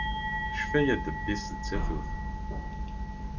Ccfaya ddebb-is d tatut.